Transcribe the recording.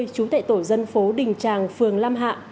chú tại tổ dân phố đình tràng phường lam hạ